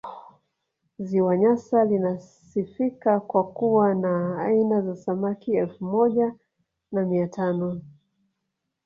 ziwa nyasa linasifika kwa kuwa na aina za samaki elfu moja na mia tano